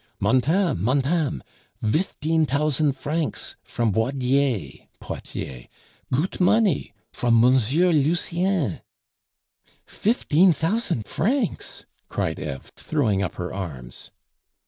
"Montame! montame! vifteen tausend vrancs, vrom Boidiers" (Poitiers). "Goot money! vrom Monziere Lucien!" "Fifteen thousand francs!" cried Eve, throwing up her arms.